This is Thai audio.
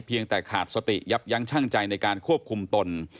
แต่ขาดสติยับยั้งชั่งใจในการควบคุมตน